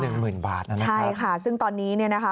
หนึ่งหมื่นบาทใช่ค่ะซึ่งตอนนี้นะคะ